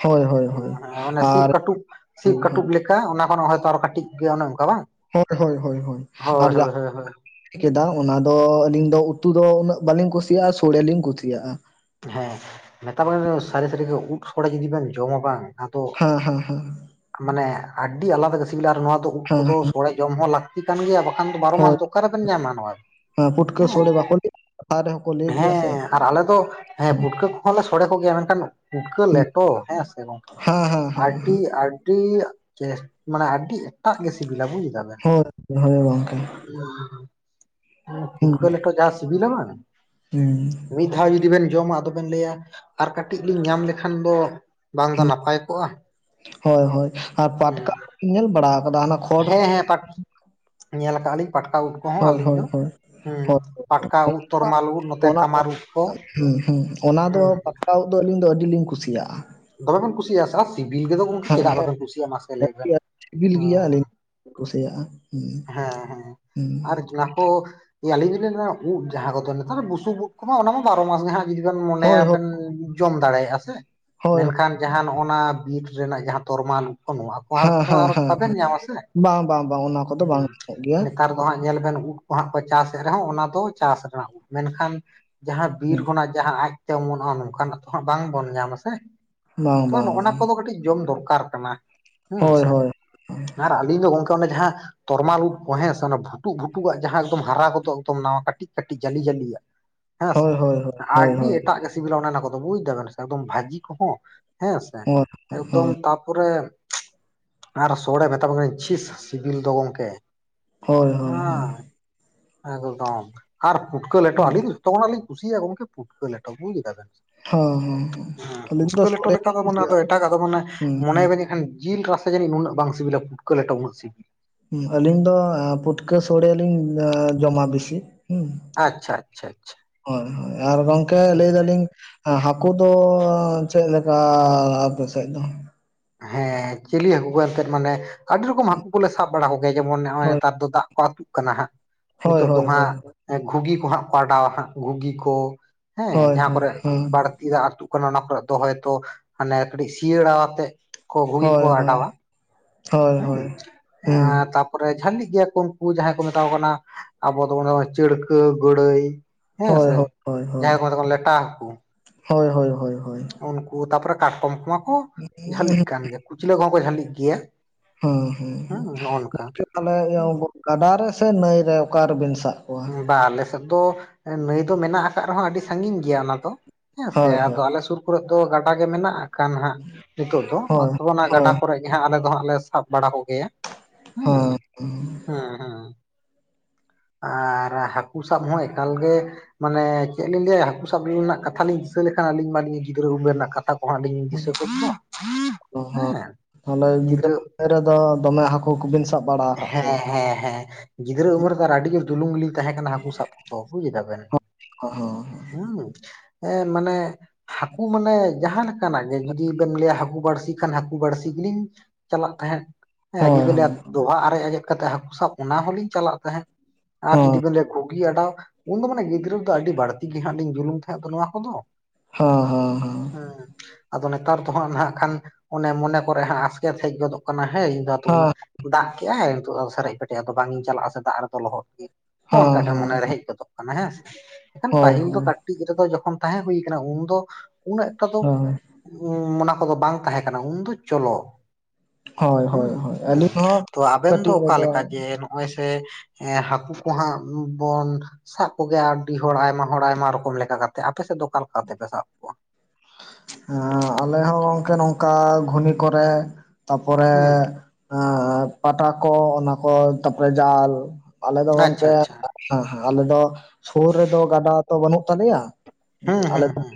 ᱦᱳᱭ ᱦᱳᱭ ᱦᱳᱭ ᱦᱸ ᱚᱱᱮ ᱟᱨ ᱥᱤᱠᱟᱴᱩᱵ ᱥᱤ ᱦᱳᱭ ᱠᱟᱹᱴᱩᱵ ᱞᱮᱠᱟ ᱞᱮᱠᱟ ᱚᱱᱟ ᱠᱷᱚᱱ ᱦᱚᱭ ᱛᱚ ᱟᱨ ᱠᱟᱹᱴᱤᱡ ᱜᱮ ᱚᱱᱮ ᱚᱱᱠᱟ ᱵᱟᱝ? ᱳᱫᱽ ᱦᱳᱭ ᱦᱳᱭ ᱦᱳᱭ ᱟᱨ ᱡᱟ ᱦᱳᱭ ᱦᱳᱭ ᱦᱳᱭ ᱠᱮᱫᱟ ᱚᱱᱟ ᱫᱚ ᱟᱹᱞᱤᱧ ᱫᱚ ᱩᱛᱩ ᱫᱚ ᱩᱱᱟᱹᱜ ᱵᱟᱹᱞᱤᱧ ᱠᱩᱥᱤᱭᱟᱜᱼᱟ ᱥᱚᱲᱮ ᱞᱤᱧ ᱠᱩᱥᱤᱭᱟᱜᱼᱟ᱾ ᱦᱮᱸ ᱢᱮᱛᱟ ᱵᱤᱱ ᱥᱟᱹᱨᱤ ᱥᱟᱹᱨᱤᱜᱮ ᱩᱫ ᱥᱚᱲᱟ ᱡᱩᱫᱤ ᱵᱮᱱ ᱡᱚᱢᱟ ᱵᱟᱝ ᱟᱫᱚ ᱦᱮᱸ ᱦᱮᱸ ᱦᱮᱸ ᱢᱟᱱᱮ ᱟᱹᱰᱤ ᱟᱞᱟᱫᱟ ᱜᱮ ᱥᱤᱵᱤᱞᱟ ᱟᱨ ᱱᱚᱣᱟ ᱫᱚ ᱩᱫ ᱦᱮᱸ ᱠᱚᱫᱚ ᱦᱮᱸ ᱥᱚᱲᱮ ᱡᱚᱢ ᱦᱚᱸ ᱞᱟᱹᱠᱛᱤ ᱼᱛᱤ ᱠᱟᱱ ᱜᱮᱭᱟ ᱵᱟᱠᱷᱟᱱ ᱫᱚ ᱵᱟᱨᱚ ᱢᱟᱥ ᱦᱳᱭ ᱫᱚ ᱚᱠᱟ ᱨᱮᱵᱮᱱ ᱧᱟᱢᱟ ᱱᱚᱣᱟ ᱦᱮᱸ ᱯᱩᱴᱠᱟᱹ ᱥᱳᱲᱮ ᱵᱟᱠᱚ [UNINTELLIGIBLE] ᱦᱮᱸ ᱥᱮ ᱟᱨ ᱟᱞᱮ ᱫᱚ ᱦᱮᱸ ᱦᱩᱸ ᱯᱩᱴᱠᱟᱹ ᱠᱚᱦᱚᱸ ᱞᱮ ᱥᱚᱲᱮ ᱠᱚᱜᱮᱭᱟ ᱢᱮᱱᱠᱷᱟᱱ ᱯᱩᱴᱠᱟᱹ ᱦᱩᱸ ᱞᱮᱴᱚ ᱦᱮᱸ ᱥᱮ ᱜᱚᱢᱠᱮ ᱦᱮᱸ ᱦᱮᱸ ᱦᱮᱸ ᱟᱹᱰᱤ ᱦᱮᱸ ᱟᱹᱰᱤ ᱢᱟᱱᱮ ᱟᱹᱰᱤ ᱮᱴᱟᱜ ᱜᱮ ᱥᱤᱵᱤᱞᱟ ᱵᱩᱡ ᱫᱟ ᱦᱳᱭ ᱦᱳᱭ ᱜᱚᱝᱠᱮ ᱯᱩᱴᱠᱟᱹ ᱞᱮᱴᱚ ᱡᱟ ᱥᱤᱵᱤᱞᱟ ᱵᱟᱝ ᱦᱮᱸ ᱢᱤᱫ ᱫᱷᱟᱣ ᱡᱩᱫᱤ ᱵᱮᱱ ᱡᱚᱢᱟ ᱟᱫᱚᱵᱮᱱ ᱞᱟᱹᱭ-ᱟ ᱟᱨ ᱠᱟᱹᱴᱤᱡ ᱞᱤᱧ ᱧᱟᱢ ᱞᱮᱠᱷᱟᱱ ᱫᱚ, ᱵᱟᱝ ᱫᱚ ᱱᱟᱯᱟᱭ ᱠᱚᱜᱼᱟ ᱦᱳᱭ ᱦᱳᱭ ᱟᱨ ᱯᱟᱴᱠᱟ ᱳᱫᱽ ᱧᱮᱞ ᱵᱟᱲᱟ ᱟᱠᱟᱫᱟ? ᱚᱱᱟ ᱦᱮᱸ ᱦᱮᱸ ᱧᱮᱞ ᱟᱠᱟᱜ ᱞᱤᱧ ᱯᱟᱴᱠᱟ ᱩᱫ ᱠᱚᱦᱚᱸ ᱦᱳᱭ ᱟᱹᱞᱤᱧ ᱦᱳᱭ ᱫᱚ ᱦᱳᱭ ᱦᱮᱸ ᱦᱳᱭ ᱯᱟᱴᱠᱟ ᱩᱫ, ᱛᱚᱨᱢᱟᱞ ᱩᱫ ᱱᱚᱛᱮ ᱚᱱᱟ ᱠᱟᱢᱟᱨ ᱩᱫ ᱠᱚ ᱦᱩᱸ ᱚᱱᱟ ᱫᱚ ᱦᱮᱸ ᱯᱟᱴᱠᱟ ᱩᱫ ᱫᱚ ᱟᱞᱤᱧ ᱫᱚ ᱟᱹᱰᱤ ᱞᱤᱧ ᱠᱩᱥᱤᱭᱟᱜᱼᱟ ᱫᱚᱢᱮ ᱵᱮᱱ ᱠᱩᱥᱤᱭᱟᱜᱼᱟ ᱥᱮ ᱥᱤᱵᱤᱞ ᱜᱮᱫᱚ ᱦᱮᱸ ᱪᱮᱫᱟᱜ ᱦᱮᱸ ᱵᱟᱵᱮᱱ ᱠᱩᱥᱤᱭᱟᱜᱼᱟ ᱢᱟᱥᱮ ᱞᱟᱹᱭ ᱟᱹᱰᱤ ᱵᱮᱱ? ᱟᱹᱰᱤ ᱥᱤᱵᱤᱞ ᱦᱚ ᱜᱮᱭᱟ ᱟᱹᱞᱤᱧ ᱠᱩᱥᱤᱭᱟᱜᱼᱟ ᱦᱩᱸ ᱦᱮᱸ ᱦᱮᱸ ᱟᱨ ᱦᱩᱸ ᱚᱱᱟ ᱠᱚ ᱟᱞᱤᱧ ᱫᱚᱞᱤᱧ ᱢᱮᱱᱟ ᱩᱫ ᱡᱟᱦᱟᱸ ᱠᱚᱫᱚ ᱱᱮᱛᱟᱨ ᱵᱩᱥᱩᱵ ᱩᱫ ᱠᱚᱢᱟ ᱚᱱᱟ ᱢᱟ ᱵᱟᱨᱚ ᱢᱟᱥ ᱜᱮ ᱡᱩᱫᱤ ᱵᱮᱱ ᱦᱳᱭ ᱢᱚᱱᱮᱭᱟ ᱦᱳᱭ ᱵᱮᱱ ᱡᱚᱢ ᱫᱟᱲᱮᱭᱟᱜᱼᱟ ᱥᱮ ᱦᱳᱭ ᱢᱮᱱᱠᱷᱟᱱ ᱡᱟᱦᱟᱸ ᱱᱚᱜᱼᱱᱟ ᱵᱤᱨ ᱨᱮᱱᱟᱜ ᱡᱟᱦᱟᱸ ᱛᱚᱨᱢᱟᱞ ᱩᱫ ᱠᱚ ᱱᱚᱣᱟ ᱠᱚ ᱱᱚᱣᱟ ᱦᱮᱸ ᱚᱱᱟ ᱛᱚ ᱦᱮᱸ ᱟᱨ ᱦᱮᱸ ᱵᱟᱵᱮᱱ ᱧᱟᱢᱟ ᱥᱮ ᱵᱟᱝ ᱵᱟᱝ ᱵᱟᱝ ᱚᱱᱟ ᱠᱚᱫᱚ ᱵᱟᱝ ᱧᱟᱢᱚᱜ ᱜᱮᱭᱟ ᱱᱮᱛᱟᱨ ᱦᱟᱸᱜ ᱧᱮᱞ ᱵᱮᱱ ᱩᱫ ᱠᱚ ᱦᱟᱸᱜ ᱠᱚ ᱪᱟᱥᱮᱫ ᱨᱮᱦᱚᱸ ᱚᱱᱟ ᱫᱚ ᱪᱟᱥ ᱨᱮᱱᱟᱜ ᱩᱫ ᱢᱮᱱᱠᱷᱟᱱ ᱡᱟᱦᱟᱸ ᱵᱤᱨ ᱦᱩᱸ ᱠᱷᱚᱱᱟᱜ ᱡᱟᱦᱟᱸ ᱟᱡ ᱛᱮ ᱚᱢᱚᱱᱚᱜᱼᱟ ᱱᱚᱝᱠᱟᱱᱟᱜ ᱛᱚ ᱦᱟᱜ ᱵᱟᱝᱵᱚᱱ ᱧᱟᱢᱟ ᱥᱮ ᱵᱟᱝ ᱛᱚ ᱵᱟᱝ ᱱᱚᱜᱼ ᱵᱟᱝ ᱱᱚᱣᱟ ᱠᱚᱫᱚ ᱠᱟᱹᱴᱤᱡ ᱡᱚᱢ ᱫᱚᱨᱠᱟᱨ ᱠᱟᱱᱟ ᱦᱳᱭ ᱦᱮᱸᱥᱮ ᱦᱳᱭ ᱟᱨ ᱟᱹᱞᱤᱧ ᱫᱚ ᱜᱚᱝᱠᱮ ᱚᱱᱮ ᱡᱟᱦᱟᱸ ᱛᱚᱨᱢᱟᱞ ᱩᱫ ᱠᱚ ᱦᱮᱸᱥᱮ ᱚᱱᱟ ᱵᱷᱩᱴᱩᱩᱜ ᱵᱷᱩᱴᱩᱜ ᱟᱜ ᱡᱟᱦᱟᱸ ᱫᱚ ᱦᱟᱨᱟ ᱠᱚᱫᱚ ᱱᱟᱣᱟ ᱠᱟᱹᱴᱤᱡ ᱠᱟᱹᱴᱤᱡ ᱡᱟᱹᱞᱤ ᱡᱟᱹᱞᱤ ᱦᱳᱭ ᱦᱳᱭ ᱦᱳᱭ ᱦᱳᱭ ᱮᱴᱟᱜ ᱜᱮ ᱥᱤᱵᱤᱞᱟ ᱚᱱᱮ ᱚᱱᱟ ᱠᱚᱫᱚ ᱵᱩᱡ ᱫᱟᱵᱮᱱ ᱮ ᱵᱷᱡᱤ ᱠᱚᱦᱚᱸ ᱦᱮᱸᱥᱮ ᱦᱳᱭ ᱮᱠᱫᱚᱢ ᱛᱟᱨᱯᱚᱨᱮ ᱟᱨ ᱥᱳᱲᱮ ᱢᱮᱛᱟᱢ ᱠᱟᱱᱟᱹᱧ ᱪᱷᱤᱥ ᱥᱤᱵᱤᱞ ᱫᱚ ᱜᱚᱢᱠᱮ ᱦᱳᱭ ᱦᱳᱭ ᱦᱳᱭ ᱦᱮᱸ ᱮᱠᱫᱚᱢ ᱟᱨ ᱯᱷᱩᱴᱠᱟᱹ ᱞᱮᱴᱚ ᱟᱹᱞᱤᱧ ᱫᱚ ᱛᱚᱠᱷᱚᱱᱟᱜ ᱞᱤᱧ ᱠᱩᱥᱤᱭᱟᱜᱼᱟ ᱜᱚᱢᱠᱮ ᱯᱩᱴᱠᱟᱹ ᱞᱮᱴᱚ ᱵᱩᱡᱫᱟᱵᱮ ᱦ ᱦᱮᱸ ᱯᱩᱴᱠᱟᱹ ᱞᱮᱴᱚ ᱞᱮᱠᱟ ᱫᱚ ᱢᱟᱱᱮ ᱟᱫᱚ ᱮᱴᱟᱜᱟᱜ ᱫᱚ ᱢᱟᱱᱮ ᱦᱩᱸ ᱢᱚᱱᱮᱵᱟᱹᱱᱤᱡᱠᱷᱟᱱ ᱡᱤᱞ ᱨᱟᱥᱮ ᱡᱟᱹᱱᱤᱡ ᱩᱱᱟᱹᱜ ᱵᱟᱝ ᱥᱤᱵᱤᱞᱟ ᱯᱩᱴᱠᱟᱹ ᱞᱮᱴᱚ ᱩᱱᱟᱹᱜ ᱥᱤᱵᱤᱞ ᱟᱞᱤᱧ ᱫᱚ ᱯᱩᱴᱠᱟᱹ ᱥᱚᱲᱮ ᱞᱤᱧ ᱡᱚᱢᱟ ᱵᱮᱥᱤ ᱦᱩᱸ ᱟᱪᱪᱷᱟ ᱟᱪᱪᱷᱟ ᱟᱪᱪᱷᱟ ᱦᱳᱭ ᱦᱳᱭ ᱟᱨ ᱜᱚᱝᱠᱮ ᱦᱩᱸ ᱞᱟᱹᱭ ᱫᱟᱞᱤᱧ ᱦᱟᱹᱠᱩ ᱫᱚ ᱪᱮᱫ ᱞᱮᱠᱟ ᱟᱯᱮ ᱥᱮᱫ ᱫᱚ ᱦᱮᱸ ᱪᱤᱞᱤ ᱦᱟᱹᱠᱩ ᱠᱚ ᱮᱱᱛᱮᱫ ᱢᱟᱱᱮ ᱟᱹᱰᱤ ᱨᱚᱠᱚᱢ ᱦᱟᱹᱠᱩ ᱠᱚᱞᱮ ᱥᱟᱵ ᱵᱟᱲᱟ ᱠᱚᱜᱮᱭᱟ ᱡᱮᱢᱚᱱ ᱱᱚᱜᱼᱚᱭ ᱦᱳᱭ ᱱᱮᱛᱟᱨ ᱫᱚ ᱫᱟᱜ ᱟᱹᱛᱩᱜ ᱠᱟᱱᱟ ᱦᱟᱸᱜ ᱦᱳᱭ ᱱᱤᱛᱚᱜ ᱫᱚ ᱦᱳᱭ ᱦᱳᱭ ᱦᱟᱸᱜ ᱜᱷᱩᱜᱤ ᱠᱚ ᱦᱟᱸᱜ ᱠᱚ ᱚᱰᱟᱣᱟ ᱦᱟᱸᱜ ᱜᱷᱩᱜᱤ ᱠᱚ ᱦᱮᱸ ᱦᱳᱭ ᱡᱟᱦᱟᱸ ᱦᱳᱭ ᱠᱚᱨᱮ ᱦᱮᱸ ᱵᱟᱲ ᱛᱤ ᱫᱟᱜ ᱟᱹᱛᱩᱜ ᱠᱟᱱᱟ ᱚᱱᱟ ᱠᱚᱨᱮ ᱫᱚ ᱦᱚᱭᱛᱚ ᱢᱟᱱᱮ ᱠᱟᱹᱴᱤᱡ ᱥᱤᱭᱟᱹᱲᱟ ᱟᱛᱮᱫ ᱜᱩᱜᱤ ᱠᱚ ᱦᱳᱭ ᱦᱳᱭ ᱟᱰᱟᱣᱟ ᱦᱳᱭ ᱦᱮᱸ ᱦᱳᱭ ᱦᱩᱸ ᱛᱟ ᱯᱚᱨᱮ ᱡᱟᱹᱞᱤᱜ ᱜᱮᱭᱟ ᱠᱚ ᱩᱱᱠᱩ ᱡᱟᱦᱟᱸᱭ ᱠᱚ ᱢᱮᱛᱟ ᱠᱚ ᱠᱟᱱᱟ ᱟᱵᱚ ᱫᱚᱵᱚᱱ ᱪᱟᱹᱲᱠᱟᱹ ᱜᱟᱹᱲᱟᱹᱭ ᱦᱮᱸ ᱦᱳᱭ ᱥᱮ ᱦᱳᱭ ᱦᱳᱭ ᱦᱳᱭ ᱡᱟᱦᱟᱸᱭ ᱠᱚ ᱢᱮᱛᱟ ᱠᱚ ᱞᱮᱴᱟ ᱦᱟᱹᱠᱩ ᱦᱳᱭ ᱦᱳᱭ ᱦᱳᱭ ᱦᱳᱭ ᱩᱱᱠᱩ ᱛᱟᱯᱚᱨᱮ ᱠᱟᱴᱠᱚᱢ ᱠᱚᱢᱟ ᱠᱚ ᱡᱷᱟᱹᱞᱤᱜ ᱠᱟᱱ ᱜᱮᱭᱟ ᱠᱩᱪᱞᱟᱹ ᱠᱚᱦᱚᱸ ᱠᱚ ᱡᱷᱟᱹᱞᱤᱜ ᱜᱮᱭᱟ ᱦᱮᱸ ᱦᱮᱸ ᱦᱮᱸ ᱱᱚᱜᱼᱚ ᱱᱚᱝᱠᱟ ᱜᱚᱝᱠᱮ ᱛᱟᱦᱞᱮ ᱜᱟᱰᱟ ᱨᱮ ᱥᱮ ᱱᱟᱹᱭ ᱨᱮ ᱚᱠᱟᱨ ᱨᱮᱵᱤᱱ ᱥᱟᱵ ᱠᱚᱣᱟ? ᱵᱟ ᱟᱞᱮ ᱥᱮᱫ ᱫᱚ ᱱᱟᱹᱭ ᱫᱚ ᱢᱮᱱᱟᱜ ᱟᱠᱟᱫ ᱨᱮᱦᱚᱸ ᱟᱹᱰᱤ ᱥᱟᱺᱟᱹᱜᱤᱧ ᱜᱮᱭᱟ ᱚᱱᱟ ᱫᱚ ᱦᱮᱸ ᱥᱮ ᱦᱳᱭ ᱟᱫᱚ ᱦᱳᱭ ᱟᱞᱮ ᱥᱩᱨ ᱠᱚᱨᱮ ᱫᱚ ᱜᱟᱰᱟ ᱜᱮ ᱢᱮᱱᱟᱜ ᱠᱷᱟᱱ ᱦᱟᱸᱜ ᱱᱤᱛᱚᱜ ᱫᱚ ᱦᱳᱭ ᱟᱫᱚ ᱜᱟᱰᱟ ᱦᱳᱭ ᱠᱚᱨᱮᱜ ᱡᱟᱦᱟᱸ ᱟᱞᱮ ᱫᱚ ᱦᱟᱸᱜ ᱞᱮ ᱥᱟᱵ ᱵᱟᱲᱟ ᱠᱚᱜᱮᱭᱟ ᱦᱮᱸ, ᱦᱮᱸ ᱦᱮᱸ ᱟᱨ ᱦᱟᱹᱠᱩ ᱥᱟᱵ ᱦᱚᱸ ᱮᱠᱟᱞ ᱜᱮ ᱢᱟᱱᱮ ᱪᱮᱫ ᱞᱤᱧ ᱞᱟᱹᱭᱟ ᱦᱟᱹᱠᱩ ᱥᱟᱵ ᱨᱮᱱᱟᱜ ᱠᱟᱛᱷᱟ ᱞᱤᱧ ᱫᱤᱥᱟᱹ ᱞᱮᱠᱷᱟᱱ ᱟᱹᱞᱤᱧ ᱢᱟ [INAUDIBLE] ᱜᱤᱫᱽᱨᱟᱹ ᱩᱢᱮᱨ ᱨᱮᱱᱟᱜ ᱠᱟᱛᱷᱟ [UNINTELLIGIBLE] ᱫᱤᱥᱟᱹ ᱛᱳᱫ ᱠᱚᱣᱟ ᱦᱮᱸ ᱛᱟᱦᱚᱞᱮ ᱜᱤᱫᱽᱨᱟᱹ, ᱩᱢᱮᱨ ᱨᱮᱫᱚ ᱫᱚᱢᱮ ᱦᱟᱹᱠᱩ ᱠᱚᱵᱤᱱ ᱥᱟᱵ ᱵᱟᱲᱟ ᱟᱠᱟᱫ ᱠᱚᱣᱟ? ᱦᱮᱸ ᱦᱮᱸ ᱦᱮᱸ ᱜᱤᱫᱽᱨᱟᱹ ᱩᱢᱮᱨ ᱟᱹᱰᱤ ᱡᱳᱨ ᱫᱩᱞᱩᱝ ᱜᱤᱞᱤᱧ ᱛᱟᱦᱮᱸ ᱠᱟᱱᱟ, ᱦᱟᱹᱠᱩ ᱥᱟᱵ ᱠᱚ ᱵᱩᱡᱽ ᱫᱟᱵᱮᱱ ᱦᱚᱸ ᱦᱚᱸ ᱦᱩᱸ ᱮ ᱢᱟᱱᱮ ᱦᱟᱹᱠᱩ ᱢᱟᱱᱮ ᱡᱟᱦᱟᱸ [UNINTELLIGIBLE] ᱠᱟᱱᱟᱜ ᱜᱮ ᱡᱩᱫᱤ ᱵᱮᱢ ᱞᱟᱹᱭᱟ ᱦᱟᱹᱠᱩ ᱵᱟᱹᱲᱥᱤ ᱠᱷᱟᱱ ᱦᱟᱹᱠᱩ ᱵᱟᱹᱲᱥᱤ ᱜᱮᱞᱤᱧ ᱪᱟᱞᱟᱜ ᱛᱟᱦᱮᱸᱫ ᱮᱸ ᱦᱳᱭ ᱦᱳᱭ [INAUDIBLE] ᱫᱚᱦᱟᱜ ᱟᱨᱮᱡ ᱟᱡᱮᱫ ᱠᱟᱛᱮᱜ ᱦᱟᱠᱩ ᱥᱟᱵ ᱚᱱᱟ ᱦᱚᱞᱤᱧ ᱪᱟᱞᱟᱜ ᱛᱟᱦᱮᱸᱜ ᱟᱨ ᱡᱩᱫᱤ ᱦᱚᱸ ᱵᱮᱱ ᱞᱟᱹᱭᱟ ᱜᱷᱩ [UNINTELLIGIBLE] ᱮᱰᱟᱣ ᱩᱱ ᱫᱚ ᱢᱟᱱᱮ ᱜᱤᱫᱽᱨᱟᱹ ᱫᱚ ᱟᱹᱰᱤ ᱵᱟᱹᱲᱛᱤ ᱜᱮ ᱦᱟᱸᱜ ᱞᱤᱧ ᱡᱩᱞᱩᱢ ᱛᱟᱦᱮᱸᱫ ᱱᱚᱣᱟ ᱠᱚᱫᱚ ᱦᱮᱸ ᱦᱮᱸ ᱦᱮᱸ ᱟᱫᱚ ᱱᱮᱛᱟᱨ ᱫᱚ ᱦᱟᱸᱜ ᱱᱟᱜ ᱠᱷᱟᱱ ᱚᱱᱮ ᱢᱚᱱᱮ ᱠᱚᱨᱮ ᱦᱟᱸᱜ ᱟᱥᱠᱮᱛ ᱦᱮᱡ ᱜᱚᱫᱚᱜ ᱠᱟᱱᱟ ᱦᱮᱭ ᱦᱮᱸ ᱩᱱᱟᱹᱜ ᱫᱟᱜ ᱠᱮᱜᱼᱟᱭ ᱱᱤᱛᱚᱜ ᱥᱮᱨᱮᱡ ᱯᱮᱴᱮᱡ ᱟᱫᱚ ᱵᱟᱝ ᱤᱧ ᱪᱟᱞᱟᱜᱼᱟ ᱥᱮ ᱫᱟᱜ ᱨᱮᱫᱚ ᱞᱚᱦᱚᱫ ᱜᱮ ᱦᱚᱸ ᱚᱱᱠᱟ ᱦᱮᱸ ᱴᱷᱮᱱ ᱦᱮᱸ ᱢᱚᱱᱮᱨᱮ ᱦᱮᱡ ᱜᱚᱫᱚᱜ ᱠᱟᱱᱟ, ᱦᱮᱸ ᱥᱮ ᱮᱱᱠᱷᱟᱱ ᱦᱳᱭ ᱯᱟᱹᱦᱤᱞ ᱫᱚ ᱦᱳᱭ [UNINTELLIGIBLE] ᱴᱤᱢ ᱨᱮᱫᱚ ᱡᱚᱠᱷᱚᱱ ᱛᱟᱦᱮᱸ ᱦᱩᱭ ᱠᱟᱱᱟ ᱩᱱ ᱫᱚ ᱩᱱᱟᱹᱜ ᱮᱠᱴᱟ ᱫᱚ ᱦᱳᱭ ᱚᱱᱟ ᱠᱚᱫᱚ ᱵᱟᱝ ᱛᱟᱦᱮᱸ ᱠᱟᱱᱟ ᱩᱱᱫᱚ ᱪᱚᱞᱚ ᱦᱳᱭ ᱦᱮᱸ ᱦᱳᱭ ᱦᱳᱭ ᱦᱮᱸ ᱟᱹᱞᱤᱧ ᱦᱚᱸ ᱛᱚ ᱟᱵᱮᱱ ᱫᱚ ᱠᱟᱹᱴᱤᱡ ᱚᱠᱟ ᱨᱮᱫᱚ ᱞᱮᱠᱟ ᱡᱮ ᱱᱚᱜᱼᱚᱭ ᱥᱮ ᱦᱮᱸ ᱦᱟᱹᱠᱩ ᱠᱚ ᱦᱟᱜ ᱵᱚᱱ ᱥᱟᱵ ᱠᱚᱜᱮᱭᱟ ᱟᱹᱰᱤ ᱦᱚᱲ ᱟᱭᱢᱟ ᱦᱚᱲ ᱟᱭᱢᱟ ᱨᱚᱠᱚᱢ ᱞᱮᱠᱟ ᱠᱟᱛᱮᱜ ᱟᱯᱮ ᱥᱮᱫ ᱫᱚ ᱚᱠᱟ ᱠᱟᱛᱮᱜ ᱯᱮ ᱥᱟᱵ ᱠᱚᱣᱟ ᱮᱸ ᱟᱞᱮ ᱦᱚᱸ ᱜᱚᱝᱠᱮ ᱱᱚᱝᱠᱟ ᱜᱷᱩᱱᱤ ᱠᱚᱨᱮ ᱛᱟᱯᱚᱨᱮ ᱦᱩᱸ ᱯᱟᱴᱟ ᱠᱚ ᱚᱱᱟ ᱠᱚ ᱛᱟᱯᱚᱨᱮ ᱡᱟᱞ ᱟᱞᱮ ᱫᱚ ᱟᱪᱪᱷᱟ ᱜᱚᱝᱠᱮ ᱟᱪᱪᱷᱟ ᱦᱮᱸ ᱦᱮᱸ ᱟᱞᱮ ᱫᱚ ᱥᱩᱨ ᱨᱮᱫᱚ ᱜᱟᱰᱟ ᱛᱚ ᱵᱟᱹᱱᱩᱜ ᱛᱟᱞᱮᱭᱟ ᱦᱩᱸ ᱦᱩᱸ ᱟᱞᱮ ᱫᱚ ᱦᱩᱸ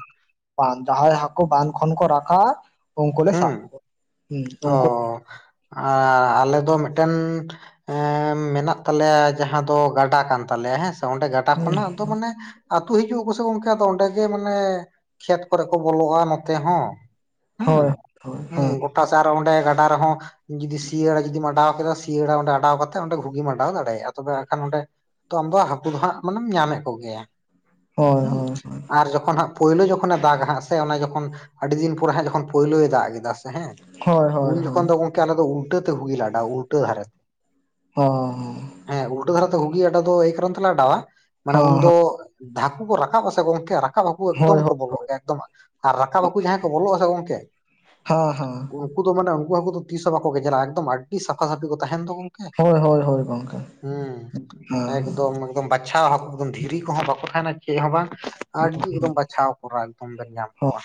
ᱡᱟᱦᱟᱸᱭ ᱦᱟᱠᱳ ᱵᱟᱸᱫᱷ ᱠᱷᱚᱱ ᱠᱚ ᱨᱟᱠᱟᱜᱼᱟ ᱩᱱᱠᱩ ᱞᱮ ᱥᱟᱵ ᱦᱩᱸ ᱠᱚᱣᱟ ᱚ ᱟ ᱟᱞᱮ ᱫᱚ ᱢᱮᱫᱴᱮᱱ ᱮᱸ ᱢᱮᱱᱟᱜ ᱛᱟᱞᱮᱭᱟ ᱡᱟᱦᱟᱸ ᱫᱚ ᱜᱟᱰᱟ ᱠᱟᱱ ᱛᱟᱞᱮᱭᱟ ᱦᱮᱸ ᱥᱮ ᱚᱸᱰᱮ ᱜᱟᱰᱟ ᱦᱩᱸ ᱠᱷᱚᱱᱟᱜ ᱫᱚ ᱢᱟᱱᱮ ᱟᱹᱛᱩ ᱦᱤᱡᱩᱜ ᱟᱠᱚᱥᱮ ᱜᱚᱝᱠᱮ ᱟᱫᱚ ᱚᱸᱰᱮ ᱜᱮ ᱢᱟᱱᱮ ᱠᱷᱮᱛ ᱠᱚᱨᱮ ᱠᱚ ᱵᱚᱞᱚᱜᱼᱟ ᱱᱚᱛᱮ ᱦᱚᱸ ᱦᱮᱸ ᱦᱳᱭ ᱦᱳᱭ ᱦᱳᱭ ᱦᱮᱸ ᱜᱚᱴᱟ ᱥᱮᱜ ᱟᱨᱚ ᱚᱸᱰᱮ ᱜᱟᱰᱟ ᱨᱮᱦᱚᱸ ᱡᱩᱫᱤ ᱥᱤᱭᱟᱹᱲᱟ ᱡᱩᱫᱤᱢ ᱚᱰᱟᱣ ᱠᱮᱫᱟ ᱥᱤᱭᱟᱲᱟ ᱚᱸᱰᱮ ᱚᱰᱟᱣ ᱠᱟᱛᱮ ᱚᱸᱰᱮ ᱜᱷᱩᱜᱤᱢ ᱚᱰᱟᱣ ᱫᱟᱲᱮᱭᱟᱜᱼᱟ ᱛᱚᱵᱮ ᱟᱠᱷᱟᱱ ᱚᱸᱰᱮ ᱛᱚ ᱟᱢᱫᱚ ᱦᱟᱹᱠᱩ ᱫᱚ ᱦᱟᱸᱜ ᱢᱟᱱᱮᱢ ᱧᱟᱢᱮᱜ ᱠᱚᱜᱮᱭᱟ ᱦᱳᱭ ᱦᱮᱸ ᱦᱳᱭ ᱟᱨ ᱡᱚᱠᱷᱚᱱ ᱦᱟᱸᱜ ᱯᱳᱭᱞᱳ ᱡᱚᱠᱷᱚᱱᱮ ᱫᱟᱜᱟ ᱦᱟᱸᱜ ᱥᱮ ᱚᱱᱟ ᱡᱚᱠᱷᱚᱱ ᱟᱹᱰᱤ ᱫᱤᱱ ᱯᱚᱨᱮ ᱦᱟᱸᱜ ᱡᱚᱠᱷᱚᱱ ᱯᱳᱭᱞᱳᱭ ᱫᱟᱜ ᱠᱮᱫᱟ ᱦᱳᱭ [UNINTELLIGIBLE] ᱦᱳᱭ ᱩᱱ ᱦᱳᱭ ᱡᱚᱠᱷᱚᱱ ᱫᱚ ᱜᱚᱢᱠᱮ ᱟᱞᱮ ᱫᱚ ᱩᱞᱴᱟᱹ ᱛᱮ ᱜᱷᱩᱜᱤ ᱜᱮ ᱩᱞᱴᱟᱹ ᱫᱷᱟᱨᱮ ᱚ ᱦᱮᱸ ᱩᱞᱴᱟᱹ ᱫᱷᱟᱨᱟᱛᱮ ᱜᱷᱩᱜᱤ ᱟᱰᱟᱣ ᱫᱚ ᱮᱭ ᱠᱟᱨᱚᱱ ᱛᱮᱞᱮ ᱮᱰᱟᱣᱟ ᱢᱟᱱᱮ ᱦᱚᱸ ᱦᱚᱸ ᱩᱱᱫᱚ [UNINTELLIGIBLE] ᱠᱚ ᱨᱟᱠᱟᱵ ᱟᱥᱮ ᱜᱚᱝᱠᱮ [UNINTELLIGIBLE] ᱦᱟᱹᱠᱩ ᱮᱠᱫᱚᱢ ᱦᱳᱭ ᱠᱚ ᱦᱳᱭ ᱵᱚᱞᱚᱜ ᱦᱳᱭ ᱮᱠᱫᱚᱢ ᱨᱟᱠᱟᱵ ᱵᱟᱹᱠᱩ ᱡᱟᱦᱟᱸᱭ ᱠᱚ ᱵᱚᱞᱚᱜ ᱟᱥᱮ ᱜᱚᱝᱠᱮ ᱦᱮᱸ ᱦᱮᱸ ᱩᱱᱠᱩ ᱫᱚ ᱢᱟᱱᱮ ᱩᱱᱠᱩ ᱦᱟᱹᱠᱩ ᱫᱚ ᱛᱤᱥ ᱦᱚᱸ ᱵᱟᱠᱚ ᱜᱮᱡᱮᱞᱟ ᱮᱠᱫᱚᱢ ᱟᱹᱰᱤ ᱥᱟᱯᱷᱟ ᱥᱟᱹᱯᱷᱤ ᱠᱚ ᱛᱟᱦᱮᱱ ᱫᱚ ᱦᱳᱭ ᱦᱳᱭ ᱦᱳᱭ ᱜᱚᱢᱠᱮ ᱦᱩᱸ ᱦᱮᱸ ᱮᱠᱫᱚᱢ ᱵᱟᱪᱷᱟᱣ [INAUDIBLE] ᱫᱷᱤᱨᱤ ᱠᱚᱦᱚᱸ ᱵᱟᱠᱚ ᱛᱟᱦᱮᱱᱟ ᱪᱮᱫ ᱦᱚᱸ ᱵᱟᱝ ᱟᱹᱰᱤ ᱮᱠᱫᱚᱢ ᱵᱟᱪᱷᱟᱣ ᱠᱚᱨᱟ ᱮᱠᱫᱚᱢ ᱵᱮᱱ ᱧᱟᱢ ᱦᱮᱸ ᱠᱚᱣᱟ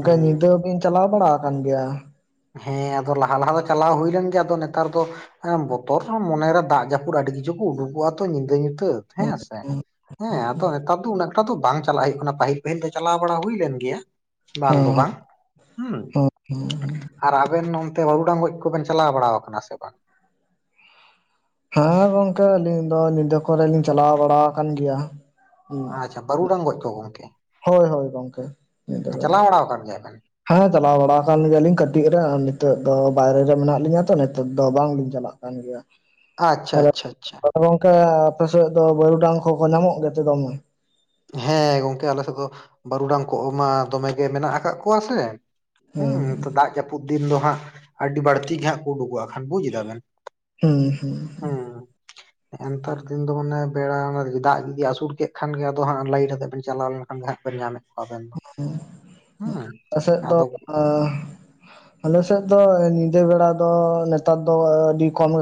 ᱦᱩ ᱧᱤᱫᱟᱹ ᱵᱤᱱ ᱪᱟᱞᱟᱣ ᱵᱟᱲᱟ ᱠᱟᱱ ᱜᱮᱭᱟ ᱦᱮᱸ ᱟᱫᱚ ᱞᱟᱦᱟ ᱞᱟᱦᱟ ᱫᱚ ᱪᱟᱞᱟᱣ ᱦᱩᱭ ᱞᱮᱱ ᱜᱮᱭᱟ ᱟᱫᱚ ᱱᱮᱛᱟᱨ ᱫᱚ ᱦᱮᱸ ᱵᱚᱛᱚᱨ ᱦᱚᱸ ᱢᱚᱱᱮᱨᱮ ᱫᱟᱜ ᱡᱟᱹᱯᱩᱫ ᱟᱹᱰᱤ ᱠᱤᱪᱷᱩ ᱠᱚ ᱩᱰᱩᱠᱚᱜᱼᱟ ᱛᱚ ᱧᱤᱫᱟᱹ ᱧᱩᱛᱟᱹᱛ ᱦᱮᱸ ᱥᱮ ᱦᱮᱸ ᱟᱫᱚ ᱱᱮᱛᱟᱨ ᱫᱚ ᱩᱱᱟᱹᱜ ᱮᱠᱴᱟ ᱫᱚ ᱵᱟᱝ ᱪᱟᱞᱟᱜ ᱦᱳᱭᱳᱜ ᱠᱟᱱᱟ, ᱯᱟᱹᱦᱤᱞ ᱯᱟᱹᱦᱤᱞ ᱫᱚ ᱪᱟᱞᱟᱣ ᱵᱟᱲᱟ ᱦᱩᱭ ᱞᱮᱱ ᱜᱮᱭᱟ ᱵᱟᱝ ᱫᱚ ᱦᱮᱸ ᱵᱟᱝ ᱦᱩᱸ ᱦᱮᱸ ᱟᱨ ᱟᱵᱮᱱ ᱱᱚᱱᱛᱮ ᱵᱟᱹᱣᱩᱰᱟᱝ ᱜᱚᱡ ᱠᱚᱵᱮᱱ ᱪᱟᱞᱟᱣ ᱵᱟᱲᱟᱣ ᱠᱟᱱᱟ ᱥᱮ ᱵᱟᱝ ᱦᱮᱸ ᱜᱚᱝᱠᱮ ᱟᱹᱞᱤᱧ ᱫᱚ ᱱᱤᱫᱟᱹ ᱠᱚᱨᱮ ᱞᱤᱧ ᱪᱟᱞᱟᱣ ᱵᱟᱲᱟ ᱠᱟᱱ ᱜᱮᱭᱟ ᱟᱪᱷᱟ ᱵᱟᱨᱩᱰᱟᱝ ᱜᱚᱡ ᱠᱚ ᱜᱚᱝᱠᱮ ᱦᱳᱭ ᱦᱳᱭ ᱜᱚᱝᱠᱮ ᱧᱤᱫᱟᱹ ᱵᱮᱲᱟ ᱪᱟᱞᱟᱣ ᱵᱟᱲᱟ ᱟᱠᱟᱱ ᱜᱮᱭᱟ ᱵᱮᱱ ᱦᱮᱸ ᱪᱟᱞᱟᱣ ᱵᱟᱲᱟ ᱟᱠᱟᱱ ᱜᱮᱭᱟᱞᱤᱧ ᱠᱟᱹᱴᱤᱡ ᱨᱮ ᱱᱤᱛᱚᱜ ᱫᱚ ᱵᱟᱭᱨᱮ ᱨᱮ ᱢᱮᱱᱟᱜ ᱞᱤᱧᱟ ᱛᱚ ᱱᱤᱛᱚᱜ ᱫᱚ ᱵᱟᱝᱞᱤᱧ ᱪᱟᱞᱟᱜᱼᱟ ᱠᱟᱱ ᱜᱮᱭᱟ ᱟᱪᱪᱷᱟ ᱛᱟᱦᱞᱮ ᱟᱪᱪᱷᱟ ᱟᱪᱪᱷᱟ ᱛᱟᱦᱞᱮ ᱜᱚᱝᱠᱮ ᱟᱯᱮ ᱥᱮᱫ ᱫᱚ ᱵᱟᱹᱨᱩᱰᱟᱝ ᱠᱚ ᱠᱚ ᱧᱟᱢᱚᱜ ᱜᱮᱛᱚ ᱥᱮ ᱵᱟᱝ ᱦᱮᱸ ᱜᱚᱝᱠᱮ ᱟᱞᱮᱥᱮᱫ ᱫᱚ ᱵᱟᱹᱨᱩᱰᱟᱝ ᱠᱚ ᱢᱟ ᱫᱚᱢᱮ ᱜᱮ ᱢᱮᱱᱟᱜ ᱟᱠᱟᱫ ᱠᱚᱣᱟ ᱥᱮ ᱦᱩᱸ ᱦᱮᱸ ᱫᱟᱜ ᱡᱟᱹᱯᱩᱫ ᱫᱤᱱ ᱫᱚ ᱦᱟᱸᱜ ᱟᱹᱰᱤ ᱵᱟᱹᱲᱛᱤ ᱜᱮ ᱦᱟᱸᱜ ᱠᱚ ᱩᱰᱩᱠᱚᱜ-ᱟ, ᱦᱟ ᱵᱩᱡᱽ ᱫᱟᱵᱮᱱ ᱦᱩᱸ ᱱᱮᱛᱟᱨ ᱫᱤᱱ ᱫᱚ ᱢᱟᱱᱮ ᱵᱮᱲᱟ ᱫᱟᱜ ᱡᱩᱫᱤ ᱟᱹᱥᱩᱨ ᱠᱮᱫ ᱠᱷᱟᱱ ᱜᱮ ᱫᱩ ᱦᱟᱸᱜ ᱞᱟᱹᱭᱤᱰ ᱟᱛᱮᱫᱵᱤᱱ ᱪᱟᱞᱟᱣ ᱞᱮᱱ ᱠᱷᱟᱱ ᱦᱟᱸᱜ ᱵᱤᱱ ᱧᱟᱢᱮᱫ ᱠᱚᱣᱟ ᱟᱵᱮᱱ ᱫᱚ ᱦᱮᱸ ᱦᱮᱸ ᱮᱥᱮᱫ ᱫᱚ ᱟᱫᱚ ᱟᱞᱮᱥᱮᱫ ᱫᱚ ᱧᱤᱫᱟᱹ ᱵᱮᱲᱟ ᱫᱚ ᱱᱮᱛᱟᱨ ᱫᱚ ᱟᱹᱰᱤ ᱠᱚᱢ